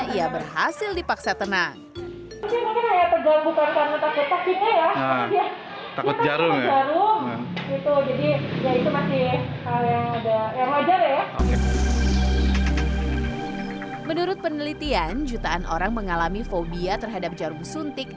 ia berhasil dipaksa tenang menurut penelitian jutaan orang mengalami fobia terhadap jarum suntik